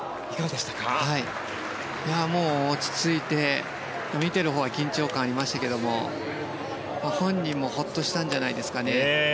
落ち着いて見ているほうは緊張感ありましたが本人もほっとしたんじゃないですかね。